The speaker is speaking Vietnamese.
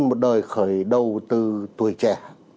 một đời khởi đầu từ tuổi trẻ